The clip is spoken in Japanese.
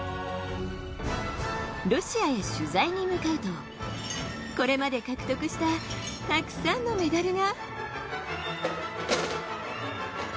ロシアへ取材に向かうと、これまで獲得したたくさんのメダルが。